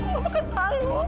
kamu kan bangun